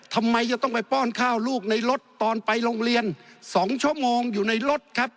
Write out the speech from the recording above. ทำไมจะต้องไปป้อนข้าวลูกในรถตอนไปโรงเรียน๒ชั่วโมงอยู่ในรถครับ